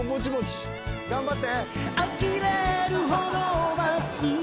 頑張って。